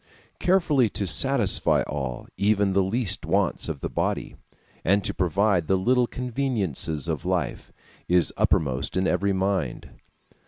Carefully to satisfy all, even the least wants of the body, and to provide the little conveniences of life, is uppermost in every mind.